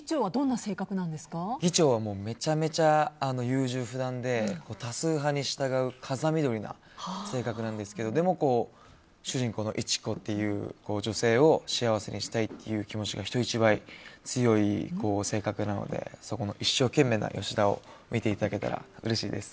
議長はめちゃくちゃ優柔不断で多数派に従う風見鶏な性格なんですがでも、主人公のいちこという女性を幸せにしたいという気持ちが人一倍強い性格なのでそこも一生懸命なところを見ていただけると嬉しいです。